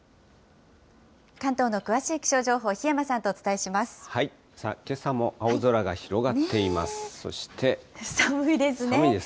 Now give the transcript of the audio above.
関東の詳しい気象情報、檜山さんとお伝えします。